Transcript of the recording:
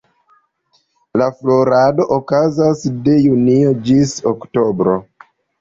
La florado okazas de junio ĝis oktobro.